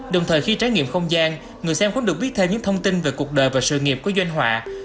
đồng thời khi trải nghiệm không gian người xem cũng được biết thêm những thông tin về cuộc đời và sự nghiệp có doanh họa